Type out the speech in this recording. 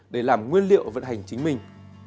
để làm nguyên liệu vận hành chính mình